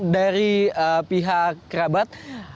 dari pihak kerabat